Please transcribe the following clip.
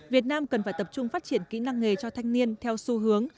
việt nam cần phải tập trung phát triển kỹ năng nghề cho thanh niên theo xu hướng